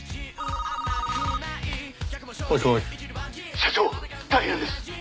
社長大変です！